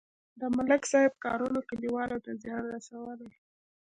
د ملک صاحب کارونو کلیوالو ته زیان رسولی.